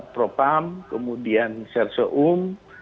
propam kemudian serseum